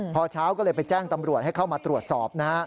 พอเช้าก็เลยไปแจ้งตำรวจให้เข้ามาตรวจสอบนะฮะ